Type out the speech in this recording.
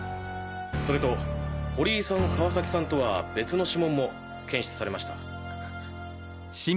それと堀井さん川崎さんとは別の指紋も検出されました。